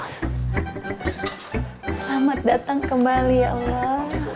selamat datang kembali ya allah